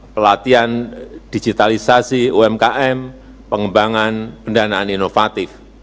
pelatihan digitalisasi umkm pengembangan pendanaan inovatif